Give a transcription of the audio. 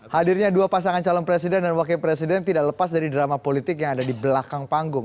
hadirnya dua pasangan calon presiden dan wakil presiden tidak lepas dari drama politik yang ada di belakang panggung